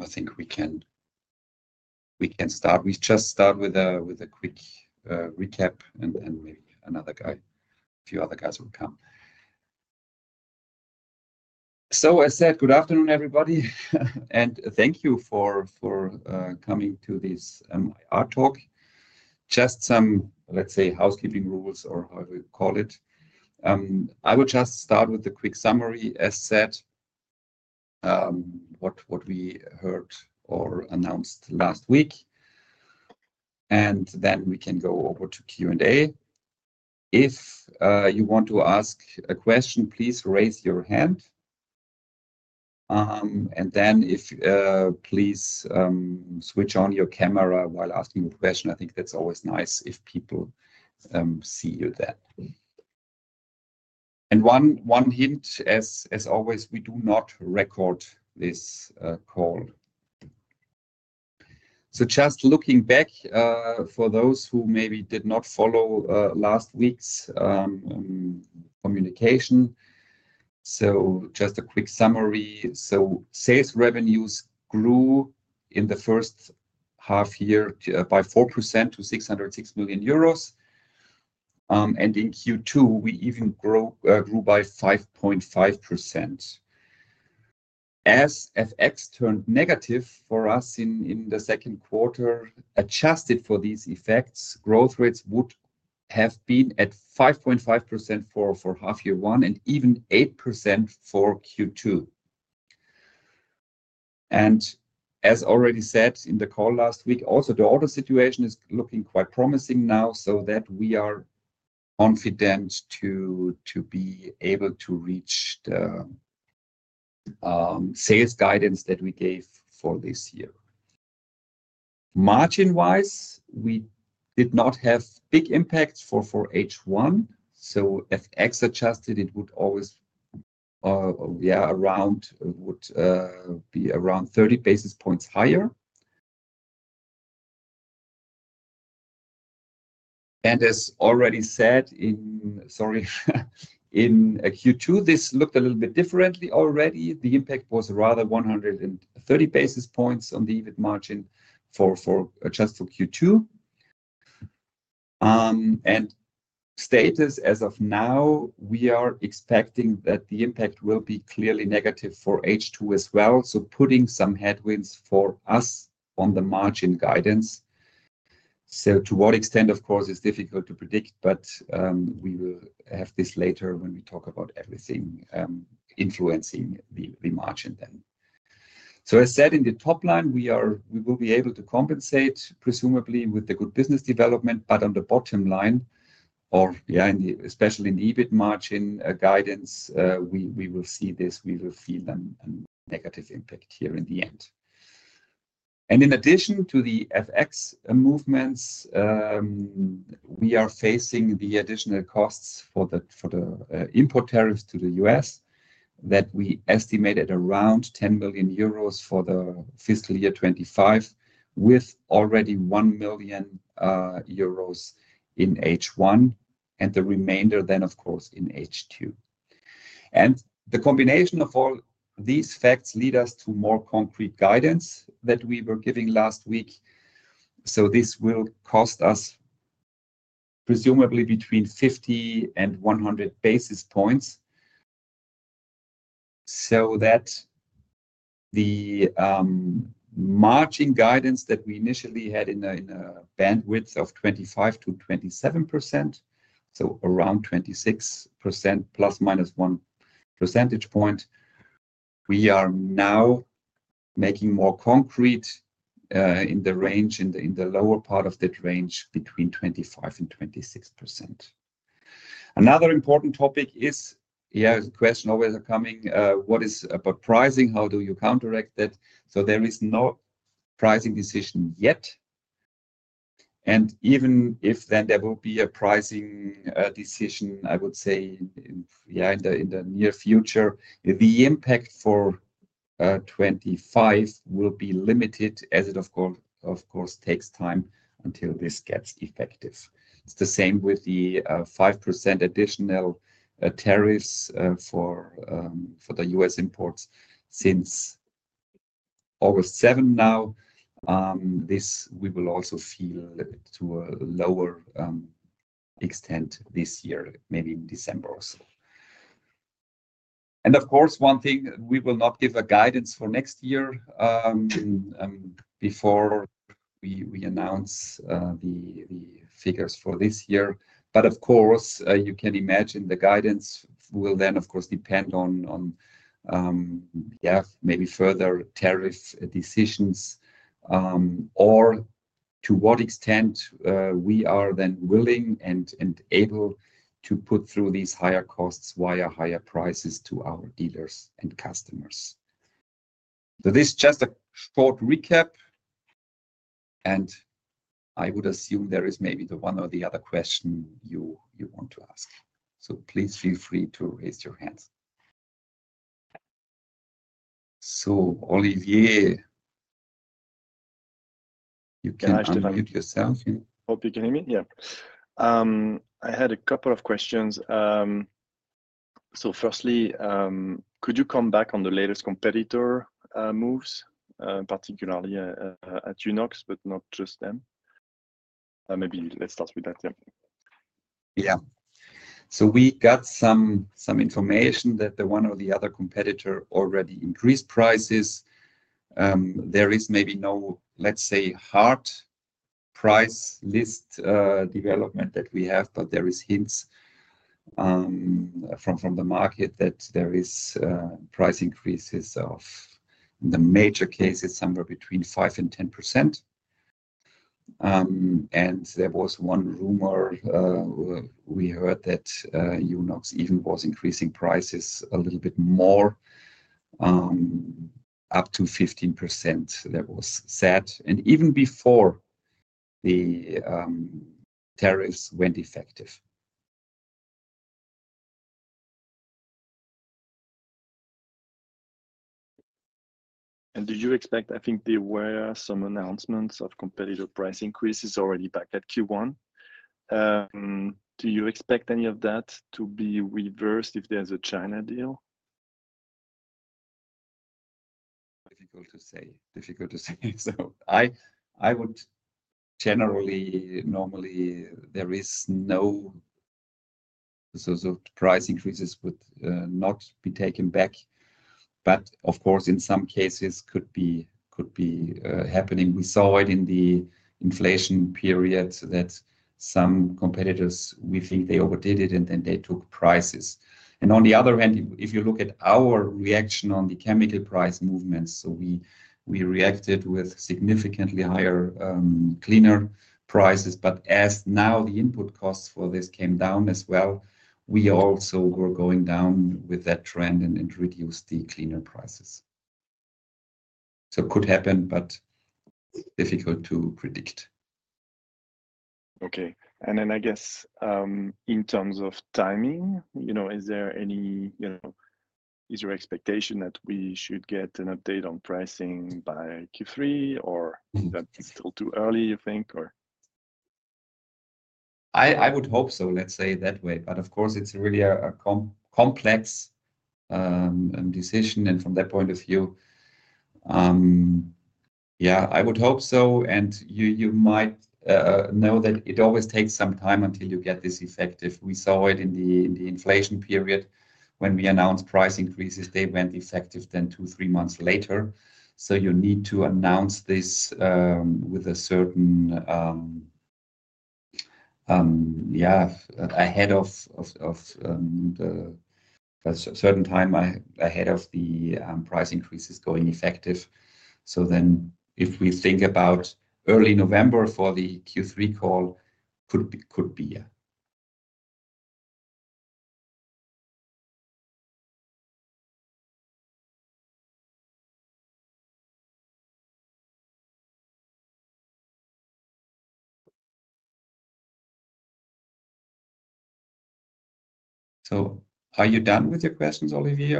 I think we can start, we just start with a quick recap and then a few other guys will come. I said good afternoon everybody and thank you for coming to this art talk. Just some, let's say, housekeeping rules or how we call it. I will just start with a quick summary, as said, what we heard or announced last week and then we can go over to Q and A. If you want to ask a question, please raise your hand and then please switch on your camera while asking a question. I think that's always nice if people see you there. One hint, as always, we do not record this call. Just looking back for those who maybe did not follow last week's communication, just a quick summary. Sales revenues grew in the first half year by 4% to 606 million euros. In Q2 we even grew by 5.5% as FX turned negative for us in the second quarter. Adjusted for these effects, growth rates would have been at 5.5% for half year one and even 8% for Q2. As already said in the call last week, also the order situation is looking quite promising now so that we are confident to be able to reach the sales guidance that we gave for this year. Margin wise we did not have big impacts for H1, so FX adjusted it would always be around 30 basis points higher. As already said in Q2 this looked a little bit differently already. The impact was rather 130 basis points on the EBIT margin just for Q2 and status as of now we are expecting that the impact will be clearly negative for H2 as well, putting some headwinds for us on the margin guidance. To what extent of course it's difficult to predict, but we will have this later when we talk about everything influencing the margin then. As said in the top line we will be able to compensate presumably with the good business development. On the bottom line or especially in the EBIT margin guidance, we will see this, we will see them and negative impact here in the end. In addition to the FX movements, we are facing the additional costs for the import tariffs to the U.S. that we estimate at around 10 million euros for the fiscal year 2025 with already 1 million euros in H1 and the remainder then of course in H2. The combination of all these facts lead us to more concrete guidance that we were giving last week. This will cost us presumably between 50- 100 basis points, so that the margin guidance that we initially had in a bandwidth of 25%-27%, so around 26% ±1 percentage point, we are now making more concrete in the range, in the lower part of that range, between 25%-26%. Another important topic is a question always coming: What is about pricing? How do you counteract that? There is no pricing decision yet, and even if there will be a pricing decision, I would say in the near future the impact for 2025 will be limited as it of course takes time until this gets effective. It's the same with the 5% additional tariffs for the U.S. imports since August 7. We will also feel this to a lower extent this year, maybe in December. Of course, one thing, we will not give a guidance for next year before we announce the figures for this year. Of course, you can imagine the guidance will then depend on maybe further tariff decisions or to what extent we are then willing and able to put through these higher costs via higher prices to our dealers and customers. This is just a short recap and I would assume there is maybe one or the other question you want to ask. Please feel free to raise your hands. Olivier, you can unmute yourself. Hope you can hear me. I had a couple of questions. Firstly, could you come back on the latest competitor moves, particularly at Unox, but not just them. Maybe let's start with that. Yeah, we got some information that one or the other competitor already increased prices. There is maybe no, let's say, hard price list development that we have, but there are hints from the market that there is a price increase in sales. The major case is somewhere between 5%-10%. There was one rumor we heard that Unox even was increasing prices a little bit more, up to 15%. That was said even before the tariffs went effective. Do you expect, I think there were some announcements of competitive price increases already back at Q1. Do you expect any of that to be reversed if there's a China deal? Difficult to say. Generally, normally there is no, so price increases would not be taken back. Of course, in some cases, it could be happening. We saw it in the inflation period that some competitors, we think they overdid it and then they took prices. On the other hand, if you look at our reaction on the chemical price movements, we reacted with significantly higher cleaner prices. As the input costs for this came down as well, we also were going down with that trend and introduced the cleaner prices. It could happen, but difficult to predict. Okay. In terms of timing, is there any, you know, is your expectation that we should get an update on pricing by Q3 or that it's still too early, you think? I would hope so, let's say that way. Of course, it's really a complex decision. From that point of view, yeah, I would hope so. You might know that it always takes some time until you get this effective. We saw it in the inflation period when we announced price increases, they went effective then two, three months later. You need to announce this ahead of a certain time, ahead of the price increases going effective. If we think about early November for the Q3 call, could be. Are you done with your questions, Olivier?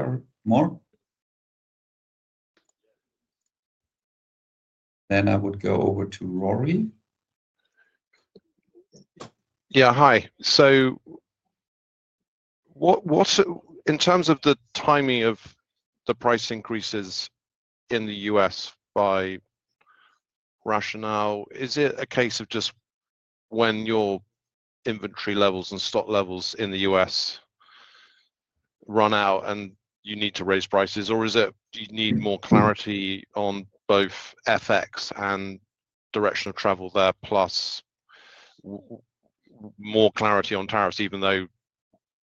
Mark. I would go over to Rory. Yeah, hi. In terms of the timing of the price increases in the U.S. by RATIONAL, is it a case of just when your inventory levels and stock levels in the U.S. run out and you need to raise prices, or is it you need more clarity on both FX and direction of travel there, plus more clarity on tariffs, even though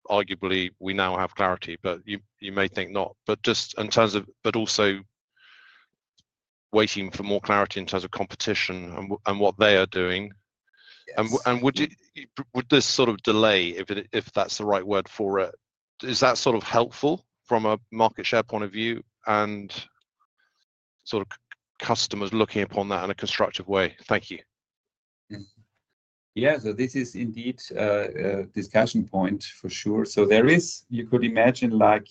arguably we now have clarity. You may think not, just in terms of also waiting for more clarity in terms of competition and what they are doing. Would this sort of delay, if that's the right word for it, be helpful from a market share point of view and customers looking upon that in a constructive way. Thank you. Yeah. This is indeed a discussion point for sure. You could imagine, like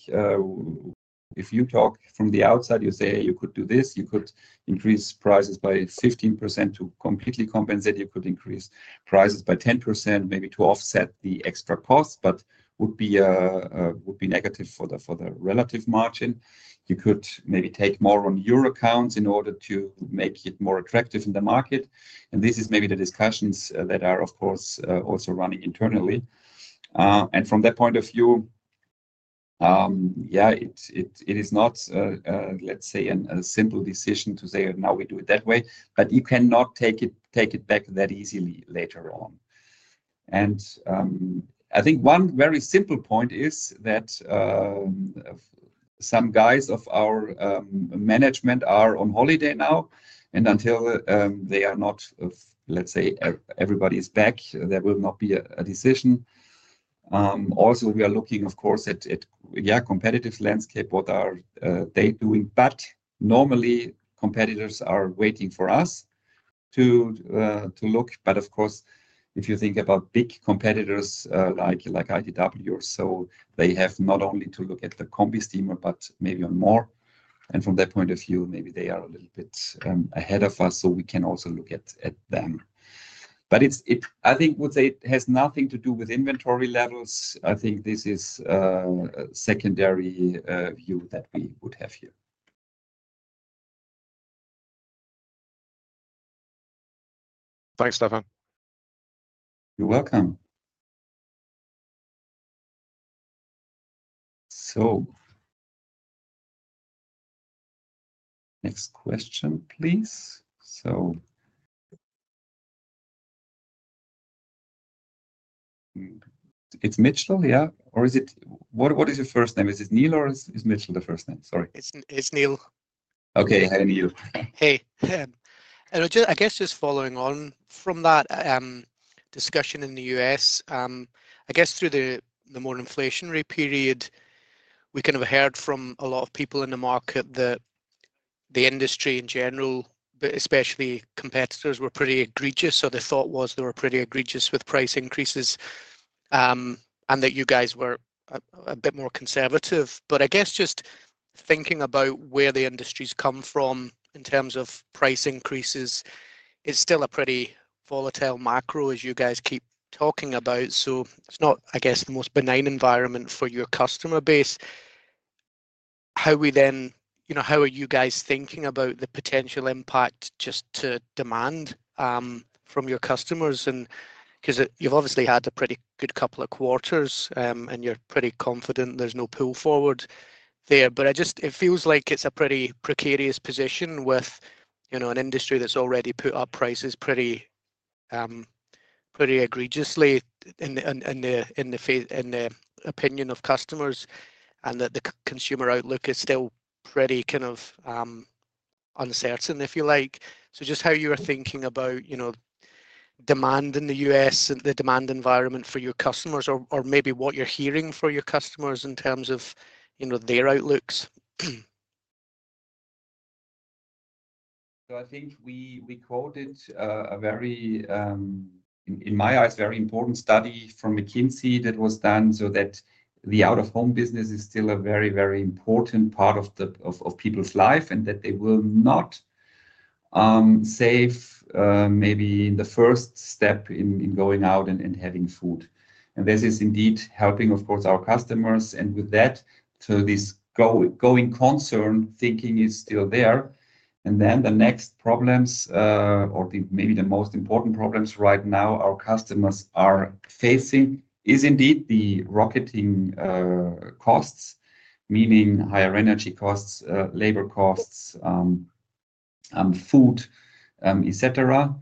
if you talk from the outside, you say you could do this, you could increase prices by 15% to completely compensate. You could increase prices by 10% maybe to offset the extra cost, but it would be negative for the relative margin. You could maybe take more on your accounts in order to make it more attractive in the market. This is maybe the discussions that are of course also running internally. From that point of view, it is not, let's say, a simple decision to say now we do it that way, but you cannot take it back that easily later on. I think one very simple point is that some guys of our management are on holiday now. Until they are not, let's say, everybody is back, there will not be a decision. We are looking of course at the competitive landscape. What are they doing? Normally competitors are waiting for us to look. Of course, if you think about big competitors like Unox or so, they have not only to look at the iCombi steamer but maybe on more, and from that point of view maybe they are a little bit ahead of us so we can also look at them. I think I would say it has nothing to do with inventory levels. I think this is a secondary view that we would have here. Thanks, Stefan. You're welcome. Next question please. Is it Neil or is Mitchell the first name? Sorry, it's Neil. Okay. Hi Neil. Hey. I guess just following on from that discussion in the U.S., I guess through the more inflationary period, we kind of heard from a lot of people in the market that the industry in general, especially competitors, were pretty egregious or the thought was they were pretty egregious with price increases and that you guys were a bit more conservative. I guess just thinking about where the industry's come from in terms of price increases, it is still a pretty volatile macro as you guys keep talking about. It's not, I guess, the most benign environment for your customer base. How are you guys thinking about the potential impact just to demand from your customers? You've obviously had a pretty good couple of quarters and you're pretty confident there's no pull forward there. It just feels like it's a pretty precarious position with an industry that's already put up prices pretty, pretty egregiously in the opinion of customers and that the consumer outlook is still pretty kind of uncertain, if you like. Just how you are thinking about demand in the U.S. and the demand environment for your customers or maybe what you're hearing from your customers in terms of their outlooks. I think we quoted a very, in my eyes, very important study from McKinsey that was done so that the out of home business is still a very, very important part of people's life and that they will not, not safe. Maybe the first step in going out and having food and this is indeed helping of course our customers. With that this going concern thinking is still there. The next problems, or maybe the most important problems right now our customers are facing is indeed the rocketing costs, meaning higher energy costs, labor costs, food, et cetera.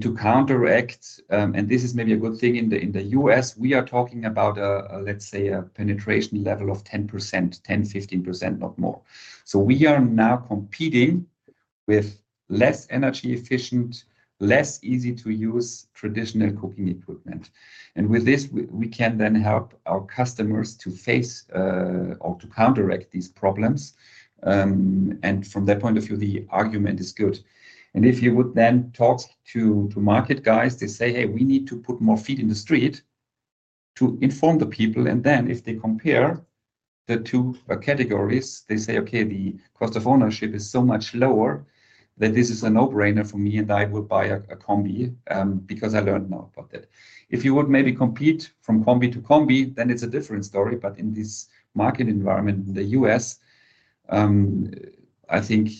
To counteract, and this is maybe a good thing in the U.S., we are talking about let's say a penetration level of 10%, 10%-15%, not more. We are now competing with less energy efficient, less easy to use traditional cooking equipment. With this we can then help our customers to face or to counteract these problems. From that point of view the argument is good. If you would then talk to market guys, they say, hey, we need to put more feet in the street to inform the people. If they compare the two categories, they say, okay, the cost of ownership is so much lower that this is a no brainer for me and I would buy a iCombi because I learned more about it. If you would maybe compete from iCombi to iCombi, then it's a different story. In this market environment in the U.S. I think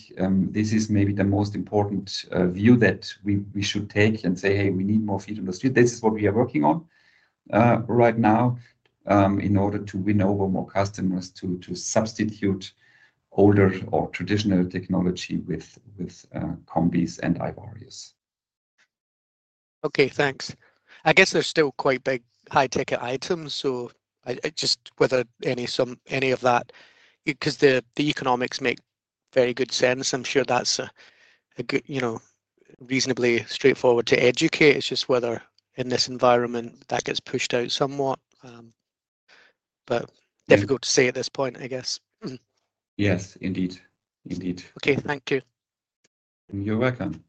this is maybe the most important view that we should take and say, hey, we need more feet on the street. This is what we are working on right now in order to win over more customers, to substitute older or traditional technology with iCombi and iVario. Okay, thanks. I guess there's still quite big high ticket items. I just wonder whether any of that, because the economics make very good sense. I'm sure that's reasonably straightforward to educate. It's just whether in this environment that gets pushed out somewhat. Difficult to say at this point, I guess. Yes, indeed. Indeed. Okay, thank you. You're welcome.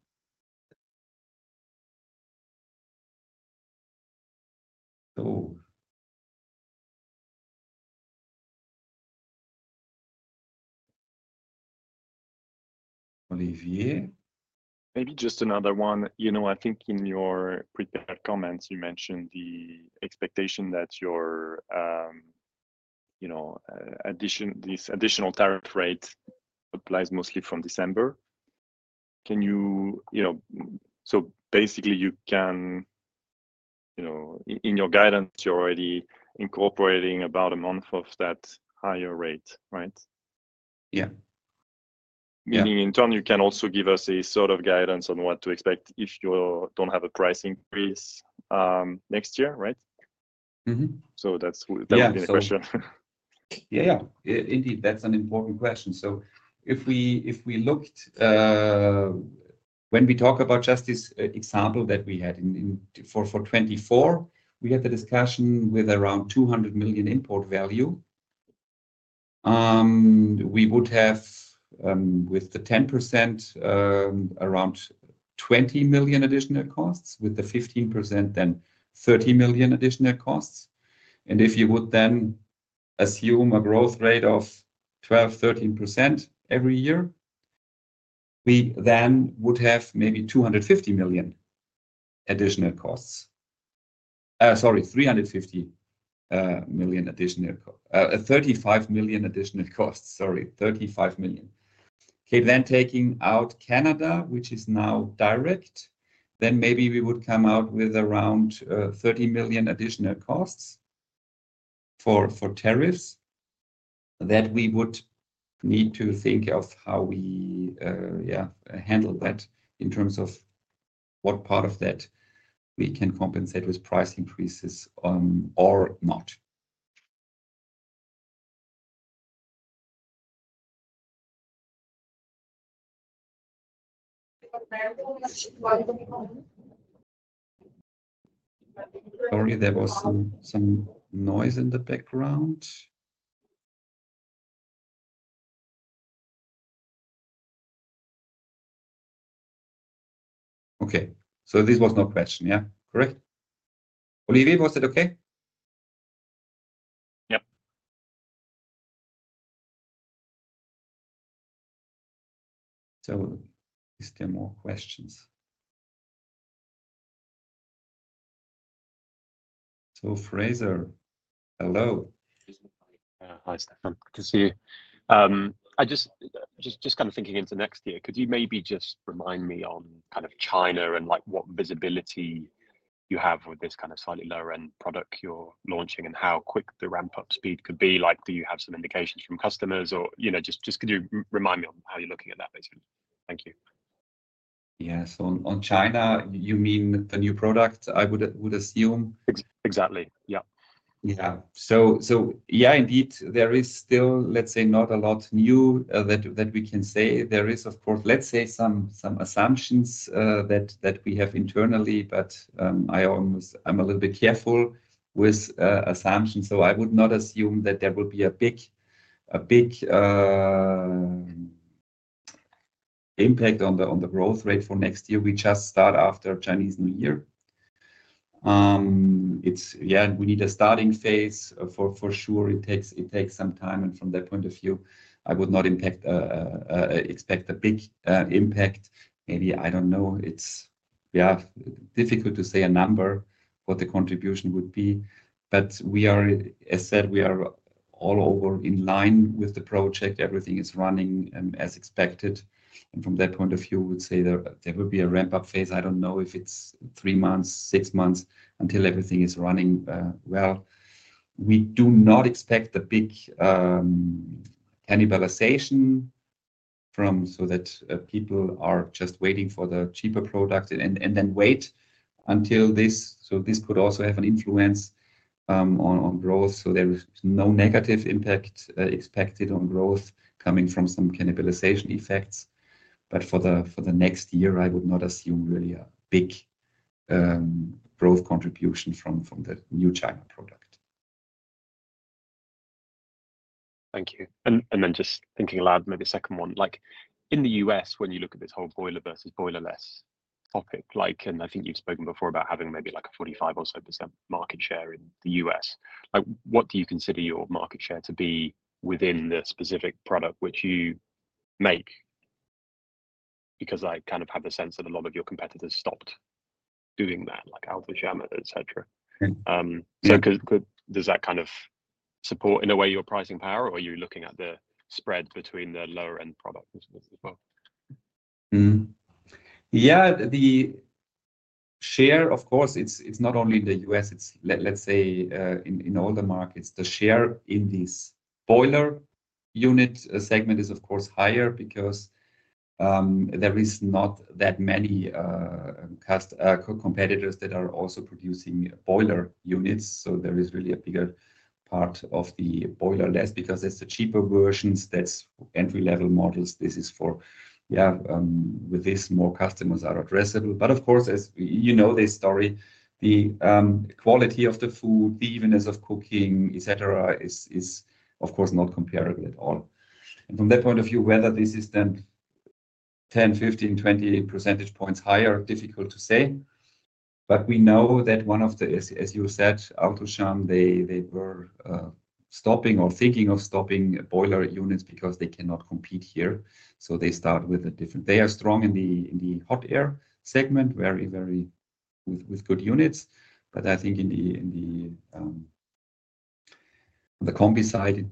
Olivier, maybe just another one. I think in your prepared comments you mentioned the expectation that this additional tariff rate applies mostly from December. Can you, in your guidance, you're already incorporating about a month of that higher rate. Right? Yeah. Meaning in turn you can also give us a sort of guidance on what to expect if you don't have a price increase next year. Right. So that's. Yeah, indeed, that's an important question. If we looked, when we talk about just this example that we had for 2024, we had the discussion with around 200 million import value, we would have with the 10%, around 20 million additional costs. With the 15%, then 30 million additional costs. If you would then assume a growth rate of 12%-13% every year, we then would have maybe 250 million, sorry, 350 million, 35 million additional costs. Sorry, 35 million. Okay. Taking out Canada, which is now direct, maybe we would come out with around 30 million additional costs for tariffs that we would need to think of how we handle that in terms of what part of that we can compensate with price increases or not. There was some noise in the background. Okay, this was no question. Yeah, correct. Olivier, was it? Okay. Yep. Is there more questions? Fraser, hello. Hi, Stefan. Good to see you. I was just kind of thinking into next year. Could you maybe just remind me on China and what visibility you have with this slightly lower end product you're launching and how quick the ramp up speed could be? Do you have some indications from customers or could you remind me on how you're looking at that basically? Thank you. Yes, on China, you mean the new product, I would assume exactly. Yeah. Yeah, indeed. There is still, let's say, not a lot new that we can say. There are, of course, some assumptions that we have internally. I am a little bit careful with assumptions, so I would not assume that there will be a big impact on the growth rate for next year. We just start after Chinese New Year. It's, yeah, we need a starting phase for sure. It takes some time, and from that point of view, I would not expect a big impact. Maybe, I don't know, it's difficult to say a number what the contribution would be. As said, we are all over in line with the project. Everything is running as expected, and from that point of view, we would say there would be a ramp-up phase. I don't know if it's three months, six months until everything is running well. We do not expect big cannibalization so that people are just waiting for the cheaper product and then wait until this. This could also have an influence on growth. There is no negative impact expected on growth coming from some cannibalization effects. For the next year, I would not assume really a big growth contribution from the new China product. Thank you. Just thinking aloud, maybe a second one. In the U.S., when you look at this whole boiler versus boilerless topic, and I think you've spoken before about having maybe like a 45% or so market share in the U.S., what do you consider your market share to be within the specific product which you make? I kind of have the sense that a lot of your competitors stopped doing that, like Alto-Shaam, etc. Does that kind of support in a way your pricing power, or are you looking at the spread between the lower end product as well? Yeah, the share of course it's not only in the U.S., it's let's say in all the markets. The share in this boiler unit segment is of course higher because there are not that many competitors that are also producing boiler units. There is really a bigger part of the boiler less because it's the cheaper versions, that's entry level models. With this, more customers are addressable. Of course, as you know this story, the quality of the food, the evenness of cooking, etc., is of course not comparable at all from that point of view. Whether this is then 10%, 15%, 28% higher, difficult to say. We know that one of the, as you said, Unox, they were stopping or thinking of stopping boiler units because they cannot compete here. They start with a different, they are strong in the hot air segment, very, very with good units. I think on the iCombi side,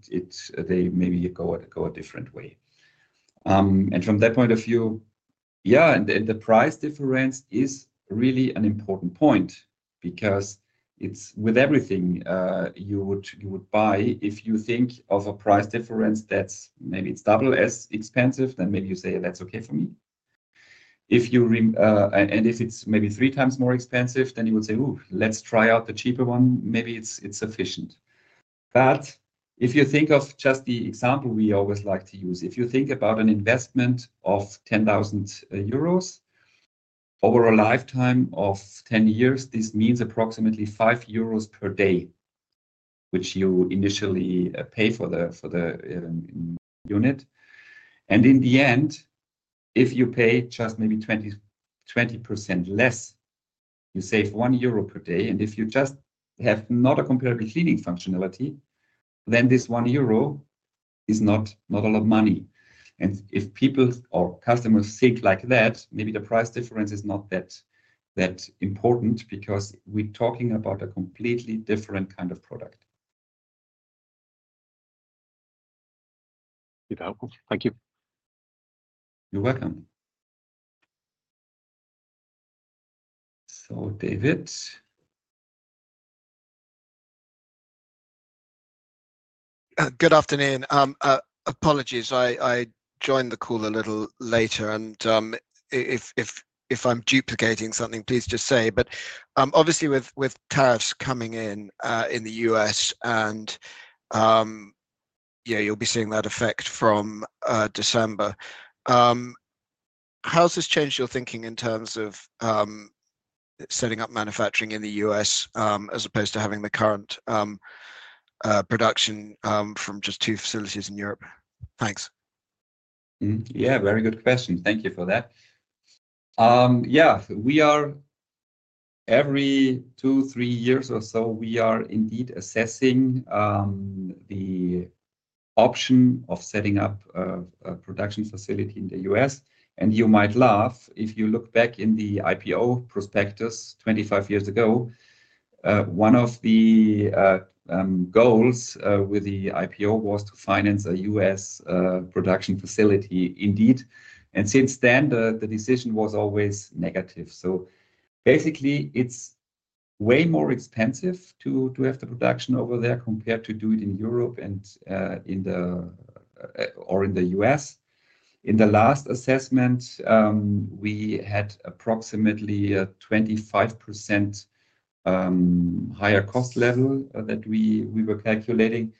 they maybe go a different way. From that point of view, the price difference is really an important point because it's with everything you would buy. If you think of a price difference that's maybe it's double as expensive, then maybe you say that's okay for me. If it's maybe 3x more expensive, then you would say, oh, let's try out the cheaper one, maybe it's sufficient. If you think of just the example we always like to use, if you think about an investment of 10,000 euros over a lifetime of 10 years, this means approximately 5 euros per day, which you initially pay for the unit. In the end, if you pay just maybe 20% less, you save 1 euro per day. If you just have not a comparable cleaning functionality, then this 1 euro is not a lot of money. If people or customers think like that, maybe the price difference is not that important because we're talking about a completely different kind of product. Thank you. You're welcome, David. Good afternoon. Apologies I joined the call a little later, and if I'm duplicating something, please just say. Obviously, with tariffs coming in the U.S., and you'll be seeing that effect from December, how's this changed your thinking in terms of setting up manufacturing in the U.S. as opposed to having the current production from just two facilities in Europe? Thanks. Yeah, very good question. Thank you for that. Yeah, we are every 2, 2, 3 years or so, we are indeed assessing the option of setting up a production facility in the U.S. and you might laugh if you look back in the IPO prospectus 25 years ago, one of the goals with the IPO was to finance a U.S. production facility. Indeed. Since then the decision was always negative. Basically, it's way more expensive to have the production over there compared to do it in Europe and or in the U.S. In the last assessment we had approximately 25% higher cost level that we were calculating.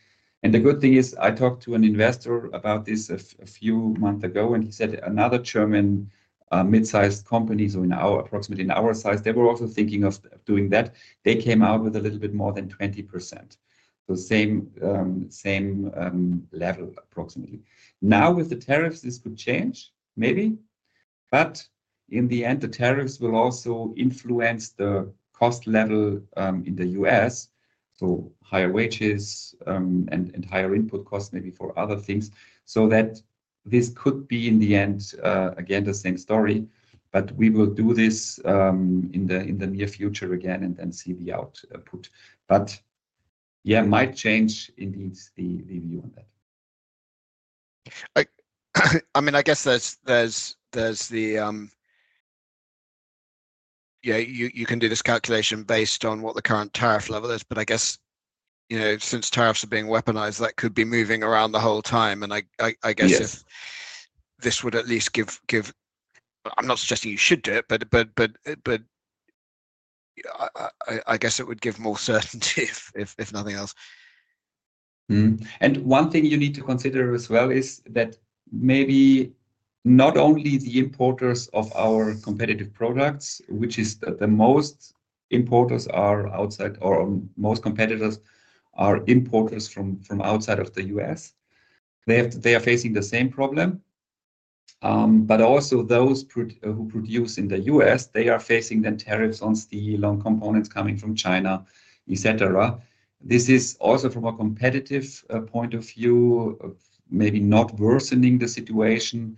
The good thing is I talked to an investor about this a few months ago and he said another German mid-sized companies or in our approximately in our size, they were also thinking of doing that. They came out with a little bit more than 20%, the same level approximately. Now with the tariffs this could change maybe, but in the end the tariffs will also influence the cost level in the U.S. so higher wages and higher input costs maybe for other things so that this could be in the end again the same story. We will do this in the near future again and see the output. Yeah, might change indeed the view on that. I guess there's the. Yeah. You can do this calculation based on what the current tariff level is. I guess, you know, since tariffs are being weaponized, that could be moving around the whole time. I guess if this would at least give. I'm not suggesting you should do it. But. I guess it would give more certainty if nothing else. One thing you need to consider as well is that maybe not only the importers of our competitive products, which is that most importers are outside or most competitors are importers from outside of the U.S., they are facing the same problem, but also those who produce in the U.S. are facing tariffs on steel and components coming from China, etc. This is also, from a competitive point of view, maybe not worsening the situation,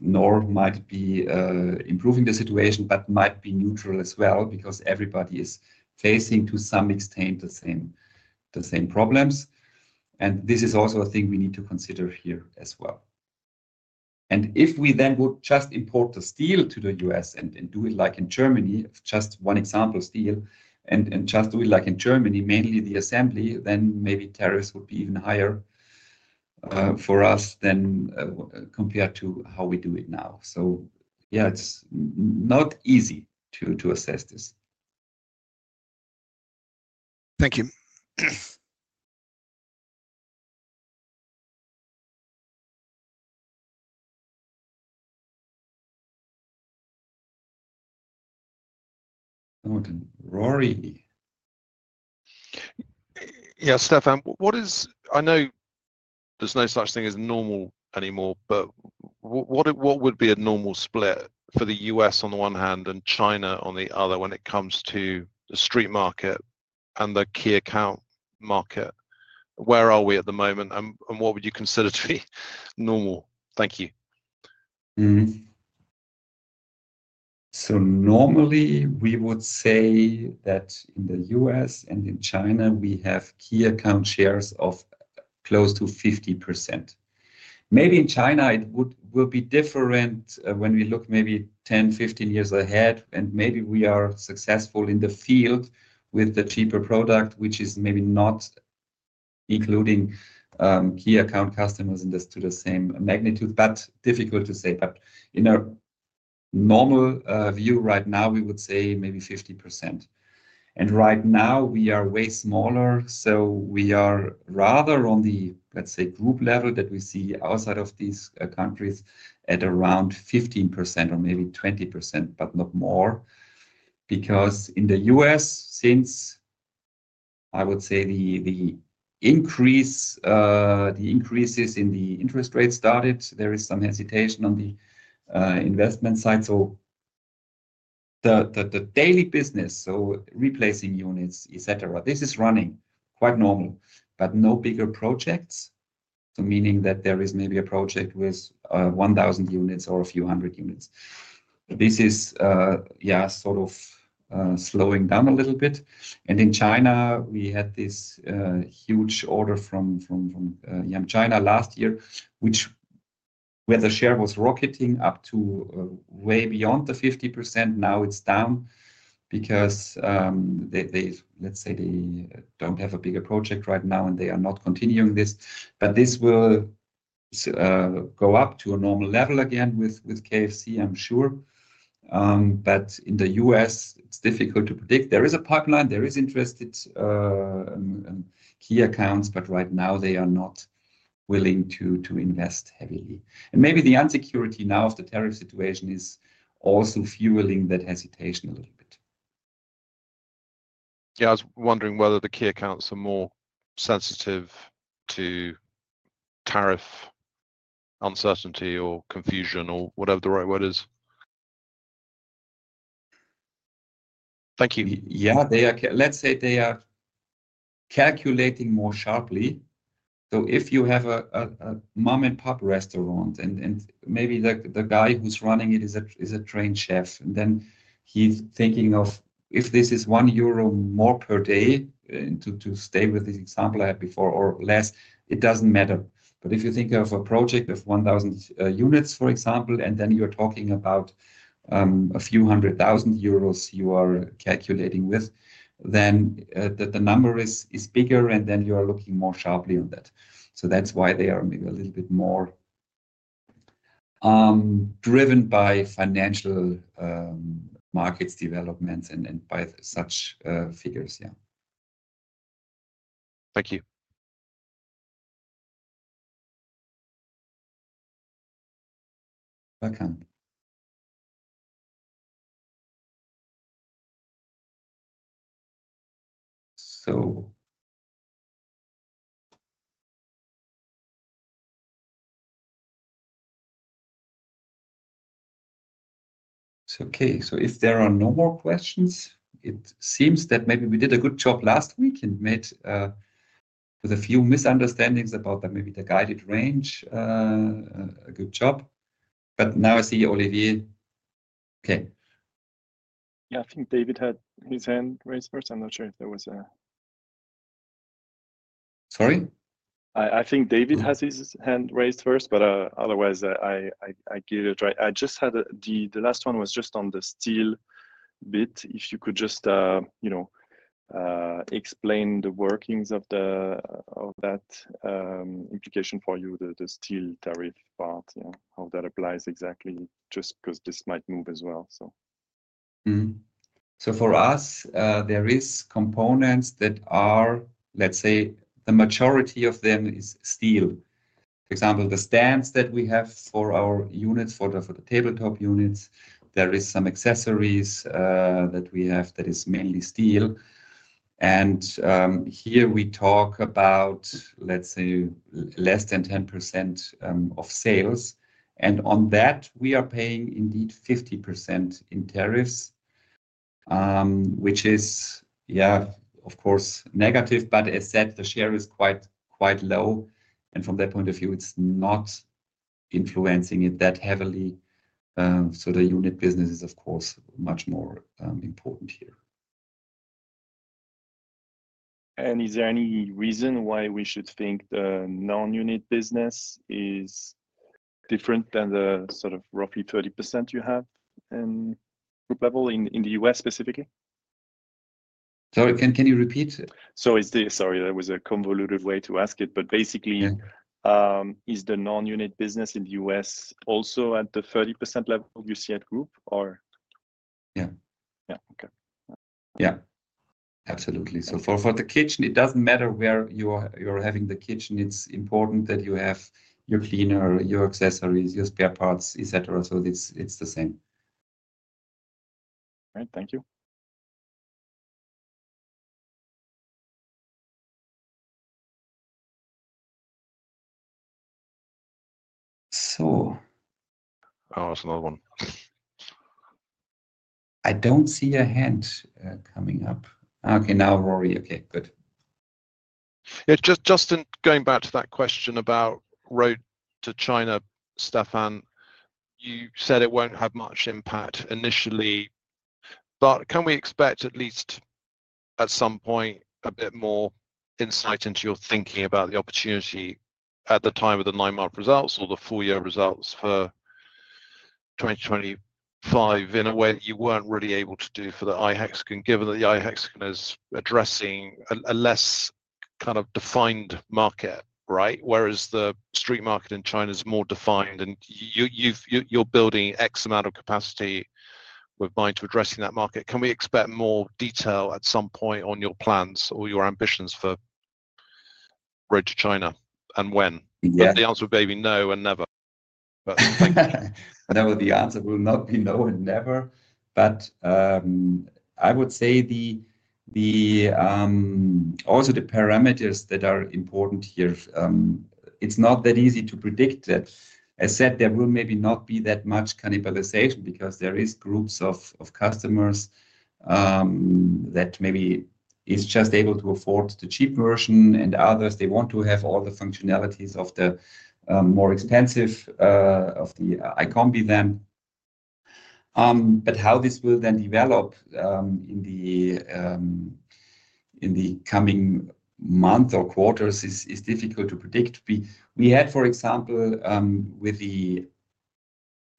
nor might it be improving the situation, but might be neutral as well because everybody is facing to some extent the same problems. This is also a thing we need to consider here as well. If we then would just import the steel to the U.S. and do it like in Germany, just one example, steel, and just do it like in Germany, mainly the assembly, then maybe tariffs would be even higher for us than compared to how we do it now. It's not easy to assess this. Thank you. Rory. Yes, Stefan, what is, I know there's no such thing as normal anymore, but what would be a normal split for the U.S. on the one hand and China on the other? When it comes to the street market and the [key account] market, where are we at the moment? What would you consider to be normal? Thank you. Normally we would say that in the U.S. and in China we have key account shares of close to 50%. Maybe in China it will be different when we look maybe 10, 15 years ahead and maybe we are successful in the field with the cheaper product, which is maybe not including key account customers in this to the same magnitude, but difficult to say. In a normal view right now we would say maybe 50% and right now we are way smaller. We are rather on the, let's say, group level that we see outside of these countries at around 15% or maybe 20%, but not more. In the U.S., since I would say the increases in the interest rate started, there is some hesitation on the investment side. The daily business, replacing units, etc., is running quite normal, but no bigger projects, meaning that there is maybe a project with 1,000 units or a few hundred units. This is sort of slowing down a little bit. In China we had this huge order from Yum China last year where the share was rocketing up to way beyond the 50%. Now it's down because, let's say, they don't have a bigger project right now and they are not continuing this. This will go up to a normal level again with KFC, I'm sure. In the U.S. it's difficult to predict. There is a pipeline, there are interested key accounts, but right now they are not willing to invest heavily. Maybe the unsecurity now of the tariff situation is also fueling that hesitation a little bit. Yeah, I was wondering whether the key account customers are more sensitive to tariff uncertainty or confusion or whatever the right word is. Yeah, let's say they are calculating more sharply. If you have a mom-and-pop restaurant and maybe the guy who's running it is a trained chef and then he's thinking if this is 1 euro more per day to stay with this example I had before or less, it doesn't matter. If you think of a project of 1,000 units, for example, and then you're talking about a few hundred thousand euros, you are calculating with then that the number is bigger and then you are looking more sharply on that. That's why they are maybe a little bit more driven by financial markets developments and by such figures. Thank you. Back on. If there are no more questions, it seems that maybe we did a good job last week and made with a few misunderstandings about that maybe the guided range a good job. Now I see Olivier came. Yeah, I think David had his hand raised first. I'm not sure if there was a—sorry, I think David has his hand raised first. Otherwise, I give it a try. I just had—the last one was just on the steel bit. If you could just explain the workings of that implication for you, the steel tariff part, how that applies exactly, just because this might move as well. For us there is components that are, let's say, the majority of them is steel. For example, the stands that we have for our units, for the tabletop units, there is some accessories that we have that is mainly steel. Here we talk about, let's say, less than 10% of sales. On that we are paying indeed 50% in tariffs, which is, yeah, of course negative. As said, the share is quite, quite low and from that point of view it's not, not influencing it that heavily. The unit business is of course much more important here. Is there any reason why we should think the non unit business is different than the sort of roughly 30% you have at group level in the U.S. specifically? Can you repeat it? Sorry, that was a convoluted way to ask it. Basically, is the non unit business in the U.S. also at the 30% level you see at group or. Yeah, absolutely. So far for the kitchen, it doesn't matter where you are, you're having the kitchen, it's important that you have your cleaner, your accessories, your spare parts, etc. It's the same. Thank you. Oh, it's another one. I don't see your hand coming up. Okay, now Rory. Okay, good. Justin, going back to that question about Road to China, Stefan, you said it won't have much impact initially, but can we expect at least at some point a bit more insight into your thinking about the opportunity at the time of the nine month results or the full year results for 2025 in a way that you weren't really able to do for the iHexagon, given that the iHexagon is addressing a less kind of defined market. Right, whereas the street market in China is more defined and you're building X amount of capacity with mind to addressing that market. Can we expect more detail at some point on your plans or your ambitions for Road to China and when? The answer would be no and never. The answer will not be no and never. I would say also the parameters that are important here. It's not that easy to predict that. As said, there will maybe not be that much cannibalization because there are groups of customers that maybe are just able to afford the cheap version and others, they want to have all the functionalities of the more expensive of the iCombi then. How this will then develop in the coming months or quarters is difficult to predict because we had, for example, with the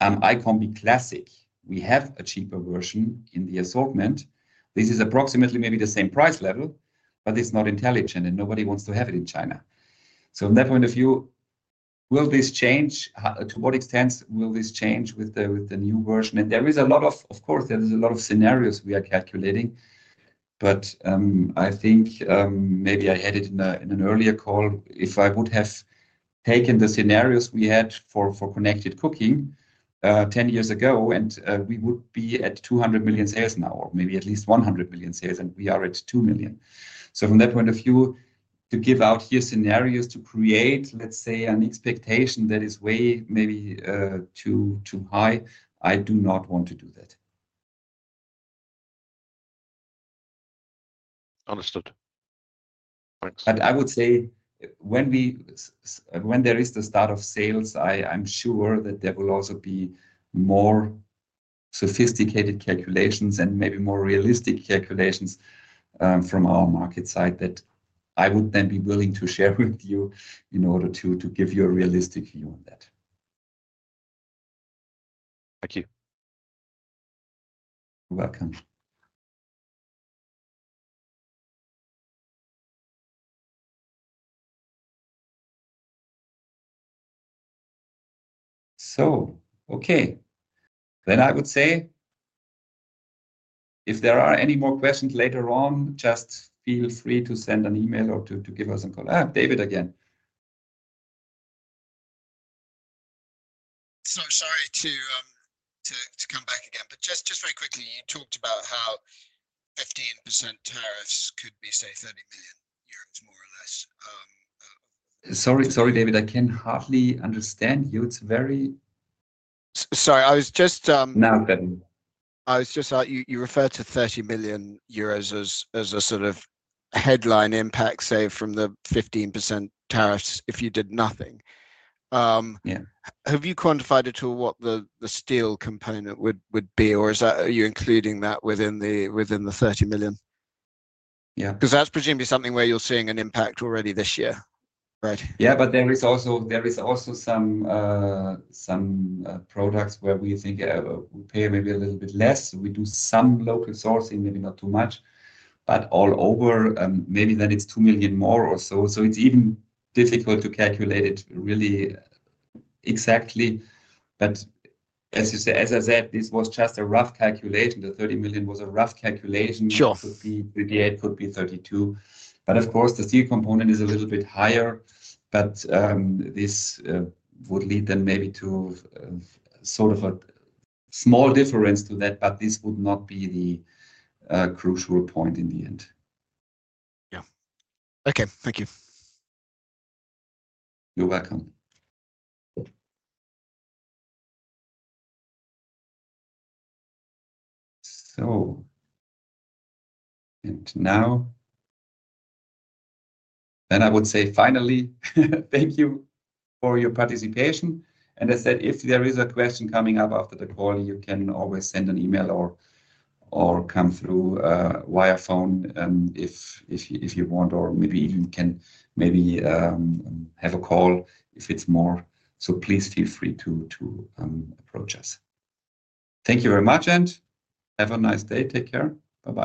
iCombi Classic, we have a cheaper version in the assortment. This is approximately maybe the same price level, but it's not intelligent and nobody wants to have it in China. From that point of view, will this change, to what extent will this change with the new version? There is a lot of, of course, there are a lot of scenarios we are calculating, but I think maybe I had it in an earlier call, if I would have taken the scenarios we had for connected cooking 10 years ago and we would be at 200 million sales now, or maybe at least 100 million sales, and we are at 2 million. From that point of view, to give out here scenarios to create, let's say, an expectation that is way, maybe too high, I do not want to do that. Understood. I would say when there is the start of sales, I'm sure that there will also be more sophisticated calculations and maybe more realistic calculations from our market side that I would then be willing to share with you in order to give you a realistic view on that. Thank you. You're welcome. If there are any more questions later on, just feel free to send an email or to give us a call. David, again. Sorry to come back again, but just very quickly. You talked about how 15% tariffs could be, say, EUR 30 million, more or less. Sorry, David, I can hardly understand you. Sorry, you referred to 30 million euros as a sort of headline impact, say from the 15% tariffs, if you did nothing. Yeah. Have you quantified at all what the steel component would be? Or are you including that within the 30 million? Yeah. Because that's presumably something where you're seeing an impact already this year. Right? Yeah. There are also some products where we think we pay maybe a little bit less. We do some local sourcing, maybe not too much, but overall maybe then it's 2 million more or so. It's even difficult to calculate it really exactly. As you say, as I said, this was just a rough calculation. The 30 million was a rough calculation. Sure, the 8 million could be 32 million, but of course the steel component is a little bit higher. This would lead then maybe to sort of a small difference to that, but this would not be the crucial point in the end. Yeah. Okay. Thank you. You're welcome. I would say finally, thank you for your participation. If there is a question coming up after the call, you can always send an email or come through via phone if you want, or maybe even have a call if it's more. Please feel free to approach us. Thank you very much and have a nice day. Take care. Bye bye.